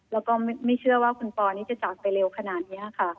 แล้วก็ไม่เชื่อว่าคุณปอนี้จะจากไปเร็วขนาดนี้ค่ะ